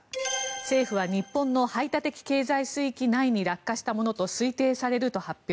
政府は日本の排他的経済水域内に落下したものと推定されると発表。